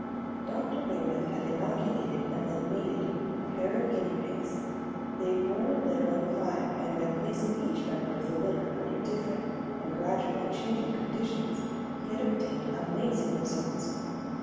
Dr. Waymoth had inoculated and then mated a pair of guinea pigs; they had borne a litter of five and by placing each member of the litter under different and gradually changing conditions, he had obtained amazing results.